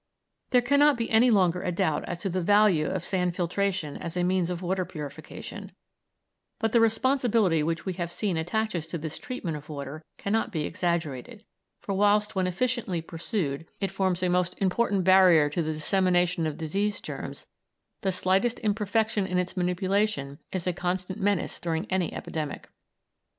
There cannot be any longer a doubt as to the value of sand filtration as a means of water purification, but the responsibility which we have seen attaches to this treatment of water cannot be exaggerated, for whilst when efficiently pursued it forms a most important barrier to the dissemination of disease germs, the slightest imperfection in its manipulation is a constant menace during any epidemic.